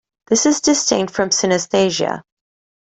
This is distinct from synaesthesia.